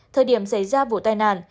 thời điểm xảy ra vụ tai nạn